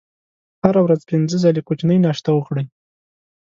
هره ورځ پنځه ځلې کوچنۍ ناشته وکړئ.